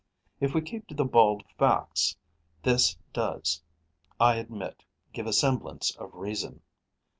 If we keep to the bald facts, this does, I admit, give a semblance of reason.